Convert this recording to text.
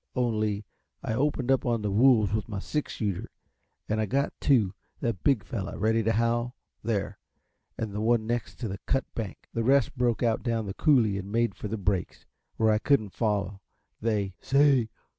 Only, I opened up on the wolves with my six shooter, and I got two; that big fellow ready to howl, there, and that one next the cut bank. The rest broke out down the coulee and made for the breaks, where I couldn't follow. They " "Say?